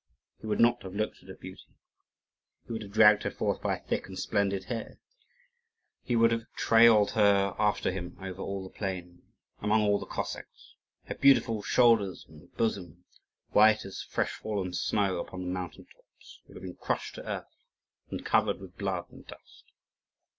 He would not have looked at her beauty; he would have dragged her forth by her thick and splendid hair; he would have trailed her after him over all the plain, among all the Cossacks. Her beautiful shoulders and bosom, white as fresh fallen snow upon the mountain tops, would have been crushed to earth and covered with blood and dust.